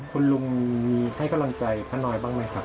คุณลุงมีให้กำลังใจพระน้อยบ้างไหมครับ